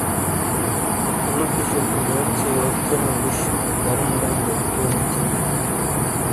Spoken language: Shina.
انوکے شیرقلیوچ سے یوک تھینا بوش درم ڈنگ دبیکیوے نے تھینا۔